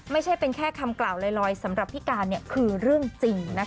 ไม่ใช่เป็นแค่คำกล่าวลอยสำหรับพี่การคือเรื่องจริง